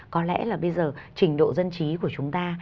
có lẽ là bây giờ trình độ dân trí của chúng ta